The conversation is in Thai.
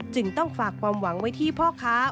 จึงต้องฝากความหวังไว้ที่พ่อค้า